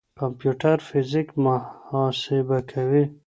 کمپيوټر فزيک محاسبه کوي.